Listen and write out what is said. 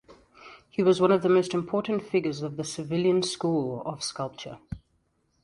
He was one of the most important figures of the Sevillian school of sculpture.